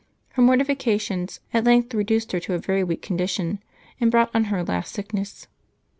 Her mortifications at length reduced her to a very weak condition, and brought on her last sickness.